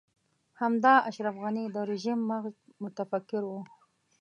همدا اشرف غني د رژيم مغز متفکر و.